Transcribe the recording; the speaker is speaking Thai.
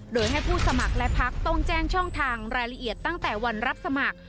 โดยให้ผู้สมัครและพักต้องแจ้งช่องทางรายละเอียดตั้งแต่วันรับสมัคร